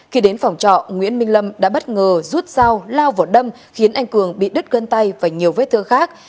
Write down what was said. khi đến phòng trọ nguyễn minh lâm đã bất ngờ rút dao lao vào đâm khiến anh cường bị đứt cân tay và nhiều vết thương khác